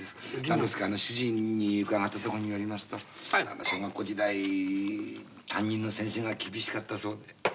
何ですか主人に伺ったとこによりますと小学校時代担任の先生が厳しかったそうで。